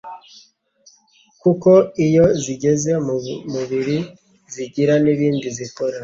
kuko iyo zigeze mu mubiri zigira n'ibindi zikora.